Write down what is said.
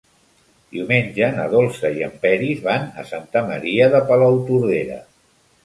Diumenge na Dolça i en Peris van a Santa Maria de Palautordera.